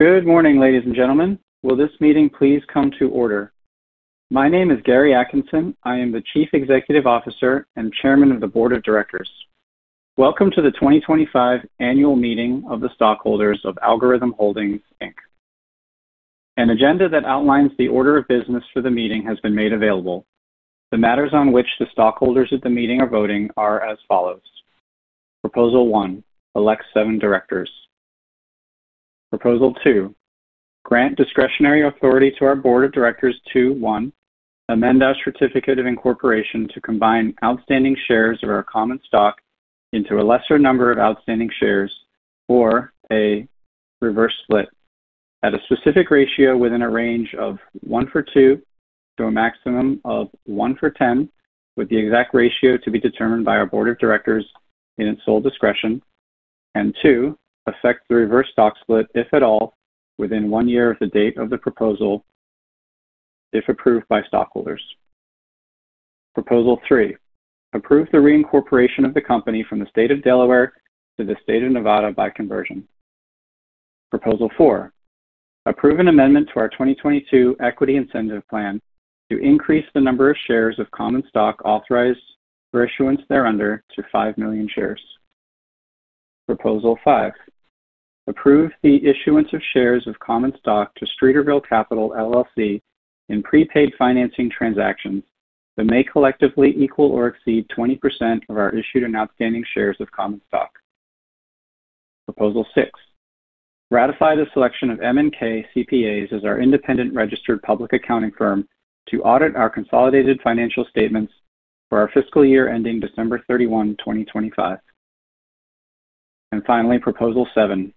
Good morning, ladies and gentlemen. Will this meeting please come to order? My name is Gary Atkinson. I am the Chief Executive Officer and Chairman of the Board of Directors. Welcome to the 2025 Annual Meeting of the Stockholders of Algorhythm Holdings. An agenda that outlines the order of business for the meeting has been made available. The matters on which the stockholders at the meeting are voting are as follows: Proposal 1: Elect seven directors. Proposal 2: Grant discretionary authority to our Board of Directors to: 1. Amend our certificate of incorporation to combine outstanding shares of our common stock into a lesser number of outstanding shares, or a reverse split, at a specific ratio within a range of 1-for-2 to a maximum of 1-for-10, with the exact ratio to be determined by our Board of Directors in its sole discretion. 2. Affect the reverse stock split, if at all, within one year of the date of the proposal, if approved by stockholders. Proposal 3: Approve the reincorporation of the company from the State of Delaware to the State of Nevada by conversion. Proposal 4: Approve an amendment to our 2022 equity incentive plan to increase the number of shares of common stock authorized for issuance thereunder to 5 million shares. Proposal 5: Approve the issuance of shares of common stock to Streeterville Capital, LLC, in prepaid financing transactions that may collectively equal or exceed 20% of our issued and outstanding shares of common stock. Proposal 6: Ratify the selection of M&K CPAs as our independent registered public accounting firm to audit our consolidated financial statements for our fiscal year ending December 31, 2025. Finally, Proposal 7: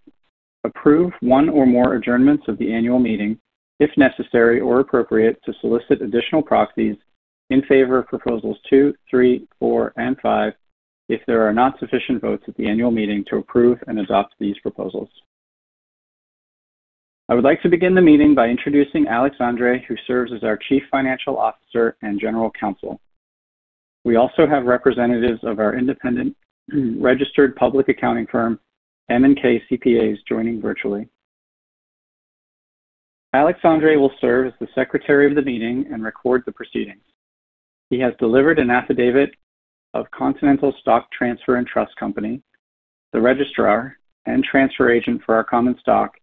Approve one or more adjournments of the annual meeting, if necessary or appropriate, to solicit additional proxies in favor of Proposals 2, 3, 4, and 5, if there are not sufficient votes at the annual meeting to approve and adopt these proposals. I would like to begin the meeting by introducing Alex Andre, who serves as our Chief Financial Officer and General Counsel. We also have representatives of our independent registered public accounting firm, M&K CPAs, joining virtually. Alex Andre will serve as the Secretary of the Meeting and record the proceedings. He has delivered an affidavit of Continental Stock Transfer and Trust Company, the registrar and transfer agent for our common stock,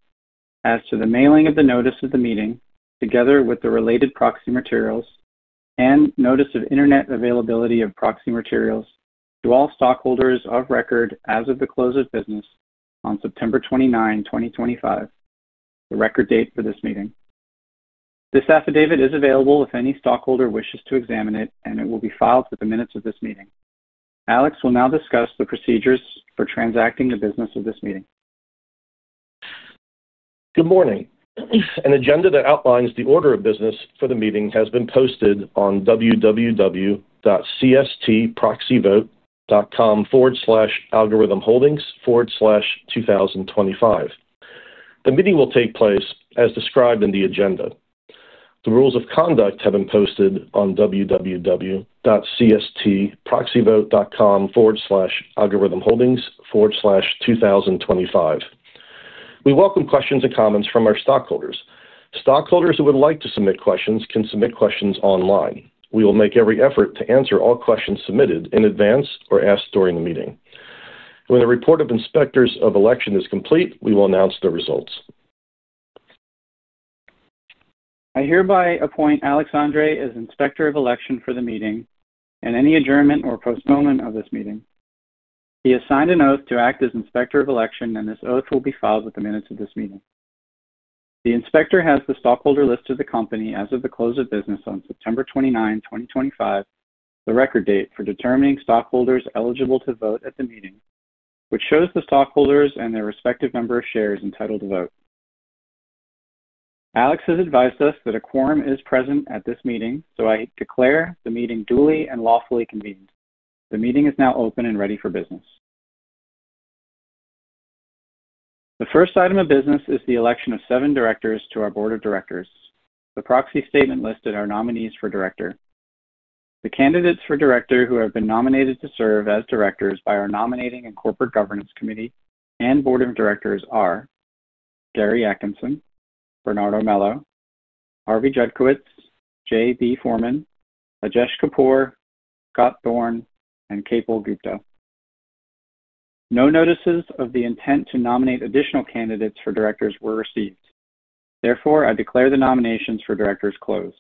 as to the mailing of the notice of the meeting, together with the related proxy materials and notice of internet availability of proxy materials to all stockholders of record as of the close of business on September 29, 2025, the record date for this meeting. This affidavit is available if any stockholder wishes to examine it, and it will be filed with the minutes of this meeting. Alex will now discuss the procedures for transacting the business of this meeting. Good morning. An agenda that outlines the order of business for the meeting has been posted on www.cstproxyvote.com/algorhythmholdings/2025. The meeting will take place as described in the agenda. The rules of conduct have been posted on www.cstproxyvote.com/algorhythmholdings/2025. We welcome questions and comments from our stockholders. Stockholders who would like to submit questions can submit questions online. We will make every effort to answer all questions submitted in advance or asked during the meeting. When the report of inspectors of election is complete, we will announce the results. I hereby appoint Alex Andre as Inspector of Election for the meeting and any adjournment or postponement of this meeting. He has signed an oath to act as Inspector of Election, and this oath will be filed with the minutes of this meeting. The Inspector has the stockholder list of the company as of the close of business on September 29, 2025, the record date for determining stockholders eligible to vote at the meeting, which shows the stockholders and their respective number of shares entitled to vote. Alex has advised us that a quorum is present at this meeting, so I declare the meeting duly and lawfully convened. The meeting is now open and ready for business. The first item of business is the election of seven directors to our Board of Directors. The proxy statement listed our nominees for director. The candidates for director who have been nominated to serve as directors by our Nominating and Corporate Governance Committee and Board of Directors are Gary Atkinson, Bernardo Melo, Harvey Judkowitz, Jay B. Foreman, Ajesh Kapoor, Scott Thorn, and Kapil Gupta. No notices of the intent to nominate additional candidates for directors were received. Therefore, I declare the nominations for directors closed.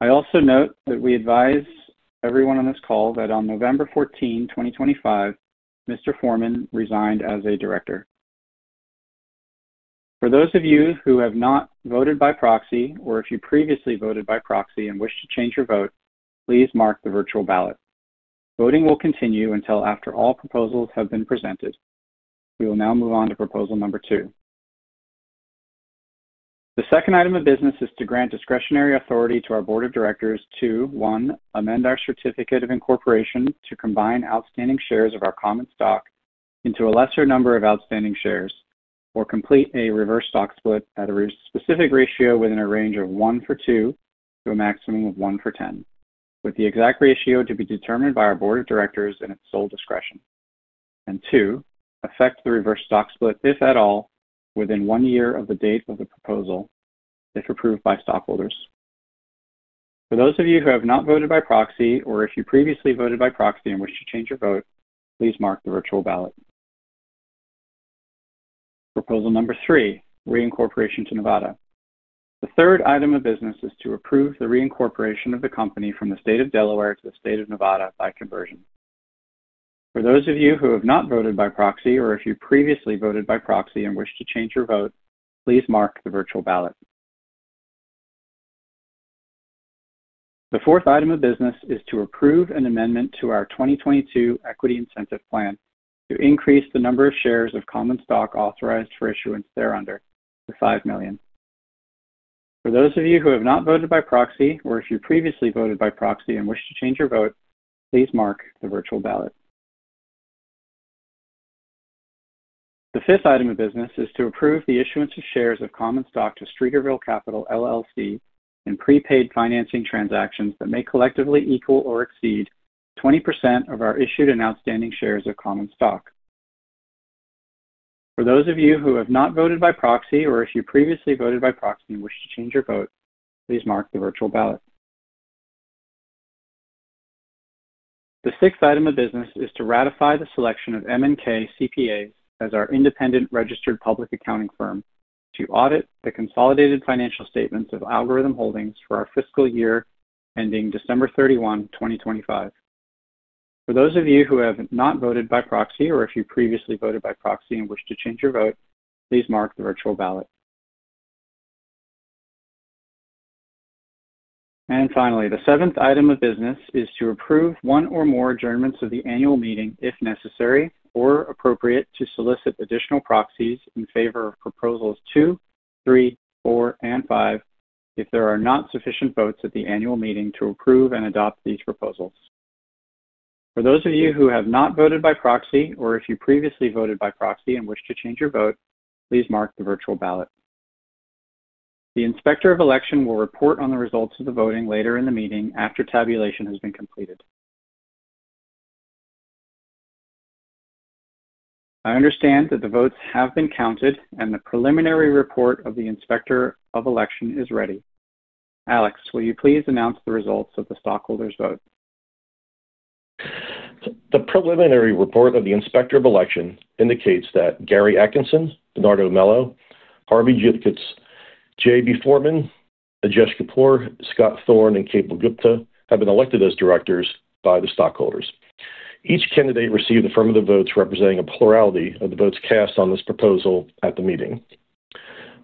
I also note that we advise everyone on this call that on November 14, 2025, Mr. Foreman resigned as a director. For those of you who have not voted by proxy or if you previously voted by proxy and wish to change your vote, please mark the virtual ballot. Voting will continue until after all proposals have been presented. We will now move on to Proposal Number 2. The second item of business is to grant discretionary authority to our Board of Directors to: 1. Amend our certificate of incorporation to combine outstanding shares of our common stock into a lesser number of outstanding shares, or complete a reverse stock split at a specific ratio within a range of 1-for-2 to a maximum of 1-for-10, with the exact ratio to be determined by our Board of Directors in its sole discretion. Two, affect the reverse stock split, if at all, within one year of the date of the proposal, if approved by stockholders. For those of you who have not voted by proxy or if you previously voted by proxy and wish to change your vote, please mark the virtual ballot. Proposal Number 3: Reincorporation to Nevada. The third item of business is to approve the reincorporation of the company from the State of Delaware to the State of Nevada by conversion. For those of you who have not voted by proxy or if you previously voted by proxy and wish to change your vote, please mark the virtual ballot. The fourth item of business is to approve an amendment to our 2022 equity incentive plan to increase the number of shares of common stock authorized for issuance thereunder to 5 million. For those of you who have not voted by proxy or if you previously voted by proxy and wish to change your vote, please mark the virtual ballot. The fifth item of business is to approve the issuance of shares of common stock to Streeterville Capital, LLC, in prepaid financing transactions that may collectively equal or exceed 20% of our issued and outstanding shares of common stock. For those of you who have not voted by proxy or if you previously voted by proxy and wish to change your vote, please mark the virtual ballot. The sixth item of business is to ratify the selection of M&K CPAs as our independent registered public accounting firm to audit the consolidated financial statements of Algorhythm Holdings for our fiscal year ending December 31, 2025. For those of you who have not voted by proxy or if you previously voted by proxy and wish to change your vote, please mark the virtual ballot. Finally, the seventh item of business is to approve one or more adjournments of the annual meeting, if necessary or appropriate, to solicit additional proxies in favor of Proposals 2, 3, 4, and 5, if there are not sufficient votes at the annual meeting to approve and adopt these proposals. For those of you who have not voted by proxy or if you previously voted by proxy and wish to change your vote, please mark the virtual ballot. The Inspector of Election will report on the results of the voting later in the meeting after tabulation has been completed. I understand that the votes have been counted and the preliminary report of the Inspector of Election is ready. Alex, will you please announce the results of the stockholders' vote? The preliminary report of the Inspector of Election indicates that Gary Atkinson, Bernardo Melo, Harvey Judkowitz, Jay B. Foreman, Ajesh Kapoor, Scott Thorn, and Kapil Gupta have been elected as directors by the stockholders. Each candidate received affirmative votes representing a plurality of the votes cast on this proposal at the meeting.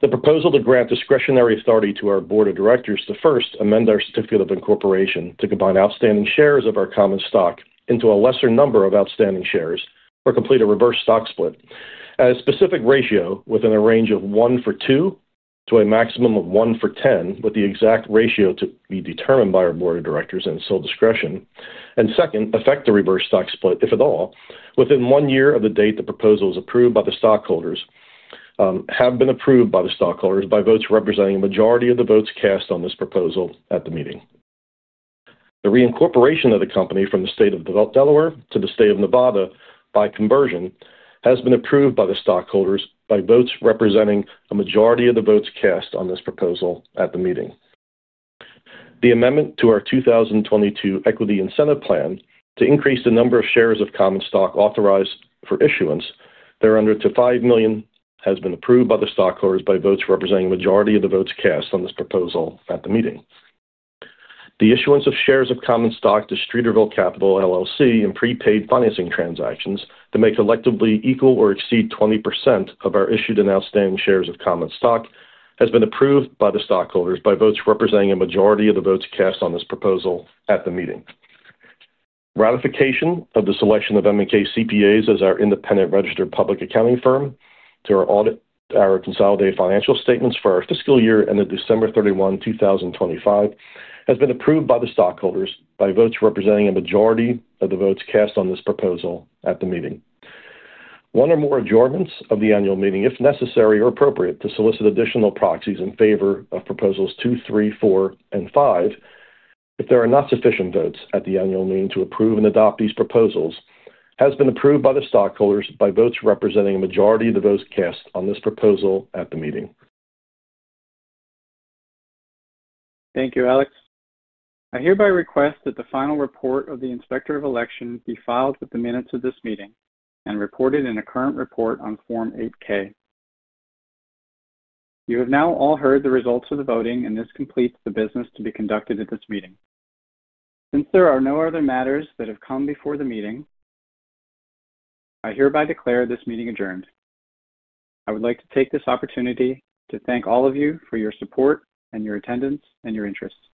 The proposal to grant discretionary authority to our Board of Directors to: 1. Amend our certificate of incorporation to combine outstanding shares of our common stock into a lesser number of outstanding shares or complete a reverse stock split at a specific ratio within a range of 1-for-2 to a maximum of 1-for-10, with the exact ratio to be determined by our Board of Directors in its sole discretion. Second, affect the reverse stock split, if at all, within one year of the date the proposal is approved by the stockholders, have been approved by the stockholders by votes representing a majority of the votes cast on this proposal at the meeting. The reincorporation of the company from the State of Delaware to the State of Nevada by conversion has been approved by the stockholders by votes representing a majority of the votes cast on this proposal at the meeting. The amendment to our 2022 equity incentive plan to increase the number of shares of common stock authorized for issuance thereunder to 5 million has been approved by the stockholders by votes representing a majority of the votes cast on this proposal at the meeting. The issuance of shares of common stock to Streeterville Capital, LLC, in prepaid financing transactions to make collectively equal or exceed 20% of our issued and outstanding shares of common stock has been approved by the stockholders by votes representing a majority of the votes cast on this proposal at the meeting. Ratification of the selection of M&K CPAs as our independent registered public accounting firm to audit our consolidated financial statements for our fiscal year ended December 31, 2025, has been approved by the stockholders by votes representing a majority of the votes cast on this proposal at the meeting. One or more adjournments of the annual meeting, if necessary or appropriate, to solicit additional proxies in favor of Proposals 2, 3, 4, and 5, if there are not sufficient votes at the annual meeting to approve and adopt these proposals, has been approved by the stockholders by votes representing a majority of the votes cast on this proposal at the meeting. Thank you, Alex. I hereby request that the final report of the Inspector of Election be filed with the minutes of this meeting and reported in a current report on Form 8-K. You have now all heard the results of the voting, and this completes the business to be conducted at this meeting. Since there are no other matters that have come before the meeting, I hereby declare this meeting adjourned. I would like to take this opportunity to thank all of you for your support and your attendance and your interest. Thank you.